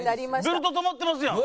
ベルト留まってますやん。